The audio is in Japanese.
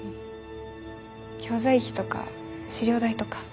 教材費とか資料代とか。